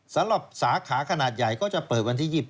สำหรับสาขาขนาดใหญ่ก็จะเปิดวันที่๒๘